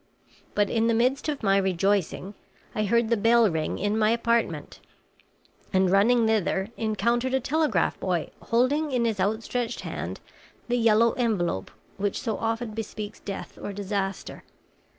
But in the midst of my rejoicing I heard the bell ring in my apartment, and running thither, encountered a telegraph boy holding in his outstretched hand the yellow envelope which so often bespeaks death or disaster.